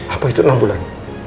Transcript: apa itu enam bulan